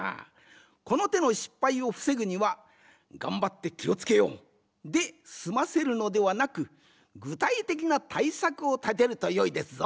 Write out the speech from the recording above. このての失敗をふせぐには「がんばってきをつけよう！」ですませるのではなくぐたいてきなたいさくをたてるとよいですぞ。